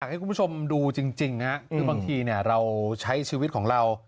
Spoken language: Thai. อยากให้คุณผู้ชมดูจริงบางทีเราใช้ชีวิตของเรา